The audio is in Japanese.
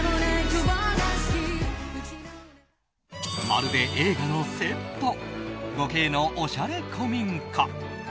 まるで映画のセット５Ｋのおしゃれ古民家。